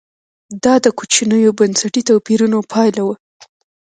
دا د کوچنیو بنسټي توپیرونو پایله وه